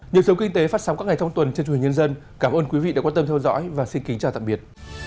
nhiều sống kinh tế phát sóng các ngày thông tuần trên chùa hình nhân dân cảm ơn quý vị đã quan tâm theo dõi và xin kính chào tạm biệt